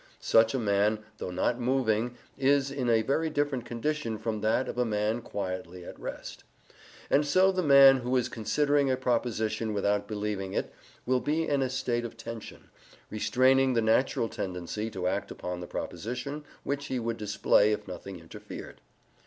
Such a man, though not moving, is in a very different condition from that of a man quietly at rest And so the man who is considering a proposition without believing it will be in a state of tension, restraining the natural tendency to act upon the proposition which he would display if nothing interfered.